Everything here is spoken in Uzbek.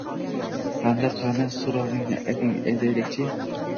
Qani-qani, so‘rovingni eshitaylik-chi